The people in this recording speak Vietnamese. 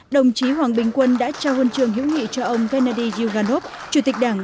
đồng chí hoàng bình quân đã trao huân trường hữu nghị cho ông gennady zyuganov chủ tịch đảng